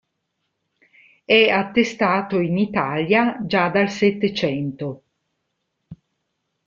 È attestato in Italia già dal Settecento.